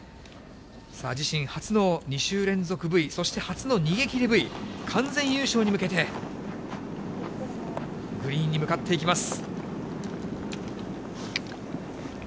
自身初の２週連続Ｖ、そして初の逃げきりＶ、完全優勝に向けて、グリーンに向かっていきます。